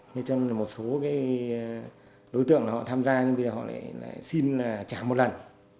thế cho nên là một số đối tượng là họ tham gia nhưng bây giờ họ lại xin trả một lần